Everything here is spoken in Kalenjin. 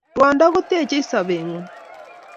Ruondo kotechei sobet ngung